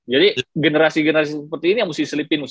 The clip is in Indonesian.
jadi generasi generasi seperti ini yang musti selipin gitu loh